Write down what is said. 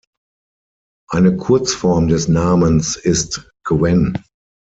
Eine Kurzform des Namens ist Gwen.